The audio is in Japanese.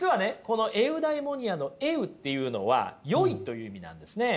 この「エウダイモニア」の「エウ」っていうのは善いという意味なんですね。